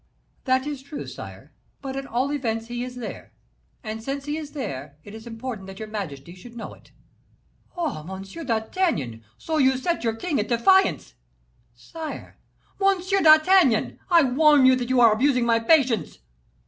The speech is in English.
"That is true, sire; but at all events he is there; and since he is there, it is important that your majesty should know it." "Ah! Monsieur d'Artagnan, so you set your king at defiance." "Sire " "Monsieur d'Artagnan! I warn you that you are abusing my patience."